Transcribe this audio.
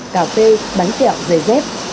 cà phê bánh kẹo dây dép